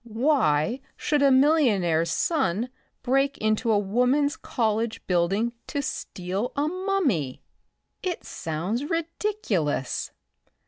"Why should a millionaire's son break into a Woman's College building to steal a mummy? It sounds ridiculous."